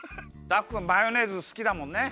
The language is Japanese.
ダクくんマヨネーズすきだもんね？